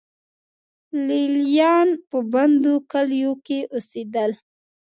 لې لیان په بندو کلیو کې اوسېدل